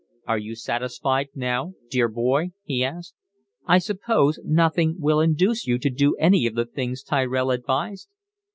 "Are you satisfied now, dear boy?" he asked. "I suppose nothing will induce you to do any of the things Tyrell advised?"